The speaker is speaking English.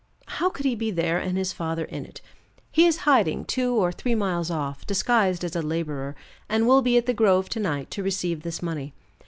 "How could he be there and his father in it? He is in hiding two or three miles off, disguised as a laborer, and will be at the grove to night to receive this money.